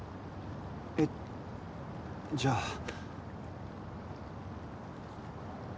えっ？じゃあ。